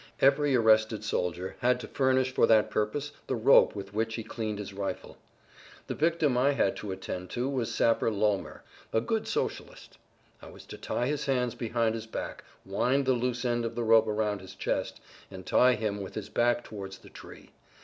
Every arrested soldier had to furnish for that purpose the rope with which he cleaned his rifle. The victim I had to attend to was sapper Lohmer, a good Socialist. I was to tie his hands behind his back, wind the loose end of the rope round his chest, and tie him with his back towards the tree.